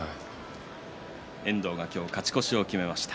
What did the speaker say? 遠藤は勝ち越しを決めました。